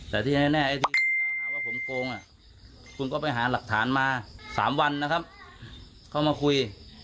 แต่ที่แน่ไอ้ที่คุณกล่าวหาว่าผมโกงคุณก็ไปหาหลักฐานมา๓วันนะครับเข้ามาคุย